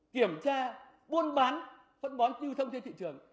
kiểm tra buôn bán phân bón lưu thông trên thị trường